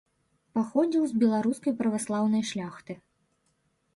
Паходзіў з беларускай праваслаўнай шляхты.